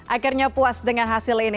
akhirnya puas dengan hasil ini